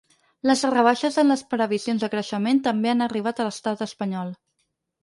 Les rebaixes en les previsions de creixement també han arribat a l’estat espanyol.